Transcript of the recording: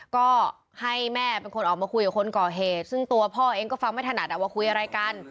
ก็ให้แม่เป็นคนออกมาคุยกับคนก่อเหตุซึ่งตัวพ่อเองก็ฟังไม่ถนัดว่าคุยอะไรกัน